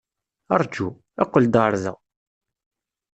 Ṛju. Qqel-d ɣer da.